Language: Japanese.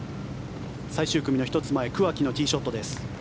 最終組の１つ前桑木のティーショットです。